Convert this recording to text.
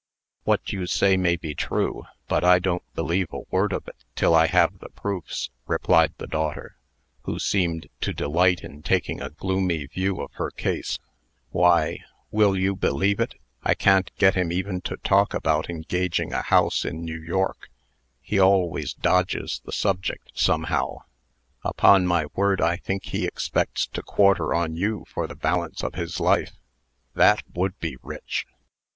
"What you say may be true, but I don't believe a word of it, till I have the proofs," replied the daughter, who seemed to delight in taking a gloomy view of her case. "Why will you believe it? I can't get him even to talk about engaging a house in New York. He always dodges the subject, somehow. Upon my word, I think he expects to quarter on you for the balance of his life. That would be rich!"